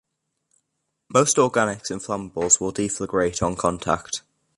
Most organics and flammables will deflagrate on contact.